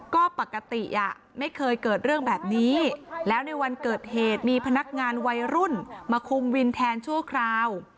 ก็ปกติไม่เคยเกิดเรื่องแบบนี้แล้วในวันเกิดเหตุมีพนักงานวัยรุ่นมาคุมวินแทนชั่วคราว